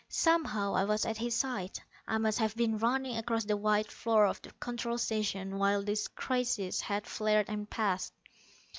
Somehow I was at his side: I must have been running across the wide floor of the Control Station while the crisis had flared and passed.